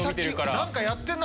何かやってんな